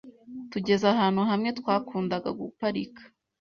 tugeze ahantu hamwe twakundaga guparika